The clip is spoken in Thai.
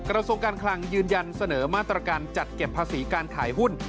กระทรวงการคลังยืนยันเสนอมาตรการจัดเก็บภาษีการขายหุ้น